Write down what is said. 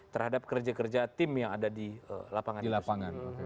terhadap kerja kerja tim yang ada di lapangan